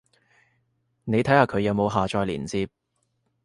你睇下佢有冇下載連接